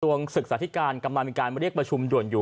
วงศึกษาธิการกำลังมีการเรียกประชุมด่วนอยู่